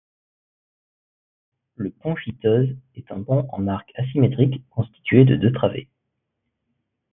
Le pont Chitose est un pont en arc asymétrique constitué de deux travées.